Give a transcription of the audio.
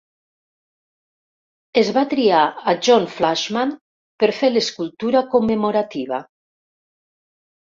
Es va triar a John Flaxman per fer l'escultura commemorativa.